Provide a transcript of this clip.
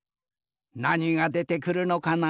なにがでてくるのかな？